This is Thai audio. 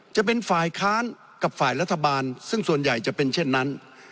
จะเป็นฝ่ายค้านกับฝ่ายรัฐบาลซึ่งส่วนใหญ่จะเป็นเช่นนั้น